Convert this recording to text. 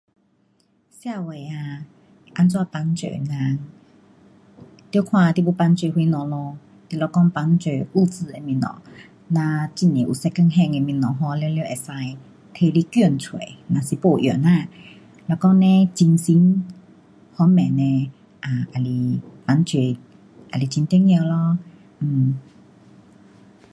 社会啊怎样帮助人。得看你要帮助什么咯，你若讲帮助物质的东西，哒很多有 second hand 的东西 um 全部可以提来捐出若是没用呐，若讲呢精神方面呢，啊，也是帮助，也是很重要咯。